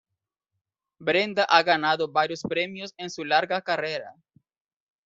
Brenda ha ganado varios premios en su larga carrera.